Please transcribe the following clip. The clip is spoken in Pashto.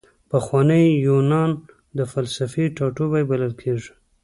پخوانی یونان د فلسفې ټاټوبی بلل کیږي.